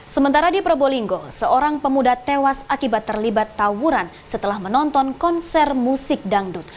sementara di probolinggo seorang pemuda tewas akibat terlibat tawuran setelah menonton konser musik dangdut